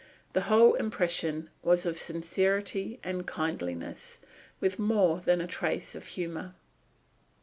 The whole impression was of sincerity and kindliness, with more than a trace of humour.